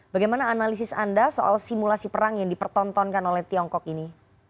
bagaimana analisis anda soal simulasi perang yang dipertontonkan oleh tiongkok ini